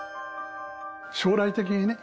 将来的にね